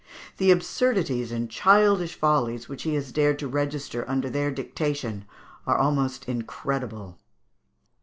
The absurdities and childish follies which he has dared to register under their dictation are almost incredible.